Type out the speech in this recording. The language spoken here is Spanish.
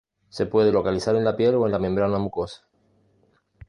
Se puede localizar en la piel o en la membrana mucosa.